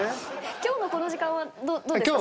今日のこの時間はどうですか？